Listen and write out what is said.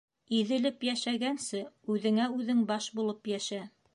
Иҙелеп йәшәгәнсе, үҙеңә үҙең баш булып йәшә.